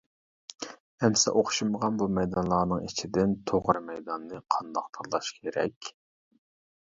ئەمىسە ئوخشىمىغان بۇ مەيدانلارنىڭ ئىچىدىن توغرا مەيداننى قانداق تاللاش كېرەك?